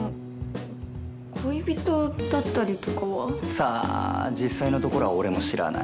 さあ実際のところは俺も知らない。